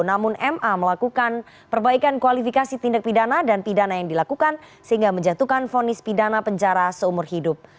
namun ma melakukan perbaikan kualifikasi tindak pidana dan pidana yang dilakukan sehingga menjatuhkan fonis pidana penjara seumur hidup